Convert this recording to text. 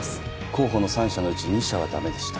候補の３社のうち２社はダメでした